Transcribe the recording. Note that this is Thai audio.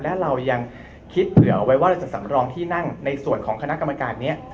และเรายังคิดเผื่อเอาไว้ว่าเราจะสำรองที่นั่งในส่วนของคณะกรรมการนี้